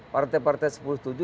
partai partai sepuluh setuju